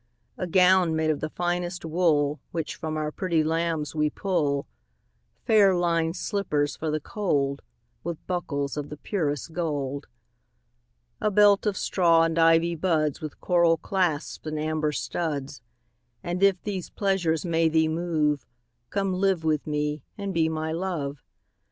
A gown made of the finest wool Which from our pretty lambs we pull; Fair linèd slippers for the cold, 15 With buckles of the purest gold. A belt of straw and ivy buds With coral clasps and amber studs: And if these pleasures may thee move, Come live with me and be my Love.